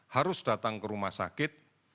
harus datang ke rumah sakit